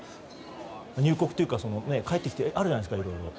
入国というか帰ってきていろいろあるじゃないですか。